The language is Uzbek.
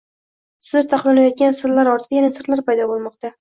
Sir saqlanayotgan sirlar ortidan yana sirlar paydo bo‘lmoqda